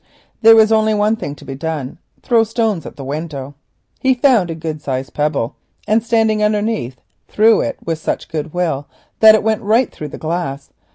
There was only one thing to be done —throw stones at the window. He found a good sized pebble, and standing underneath, threw it with such goodwill that it went right through the glass.